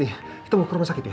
kita bukannya sakit